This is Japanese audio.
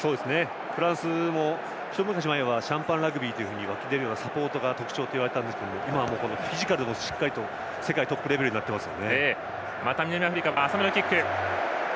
フランスも一昔前はシャンパンラグビーと言われているようなラグビーが特徴といわれたんですが今はフィジカルもしっかりと世界トップレベルになっています。